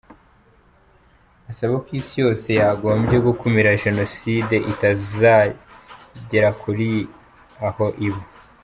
Asaba ko isi yose yagombye gukumira genocide itazangera kugira aho iba.